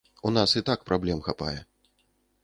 У нас і так праблем хапае.